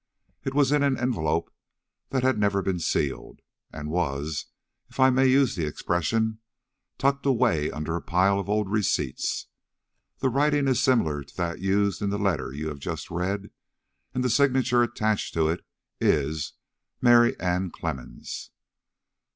It was in an envelope that had never been sealed, and was, if I may use the expression, tucked away under a pile of old receipts. The writing is similar to that used in the letter you have just read, and the signature attached to it is 'Mary Ann Clemmens.'